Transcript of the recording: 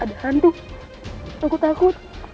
ada hantu aku takut